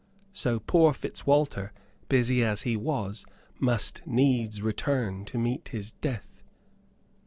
So poor Fitzwalter, busy as he was, must needs return to meet his death."